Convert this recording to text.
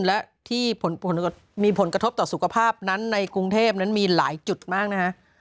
และที่มีผลกระทบต่อสุขภาพนั้นในกรุงเทพนั้นมีหลายจุดมากนะฮะ